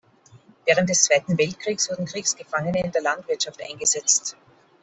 Während des Zweiten Weltkriegs wurden Kriegsgefangene in der Landwirtschaft eingesetzt.